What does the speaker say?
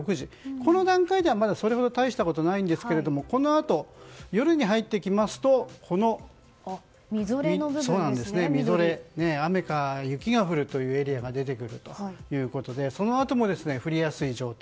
この段階ではまだそれほど大したことはないんですけどもこのあと、夜に入ってきますと緑色のみぞれ雨や雪が降るエリアが出てくるということでそのあとも降りやすい状態。